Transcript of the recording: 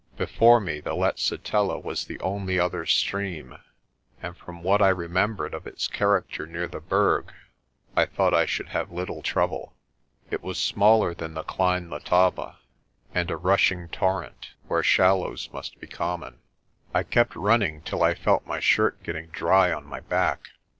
Before me the Letsitela was the only other stream, and from what I remembered of its character near the Berg I thought I should have little trouble. It was smaller than the Klein Letaba, and a rushing torrent where shallows must be common. I kept running till I felt my shirt getting dry on my back.